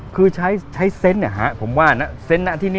คือใช้เซนต์ผมว่าเซนต์ที่นี่